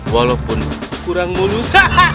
walaupun kurang mulus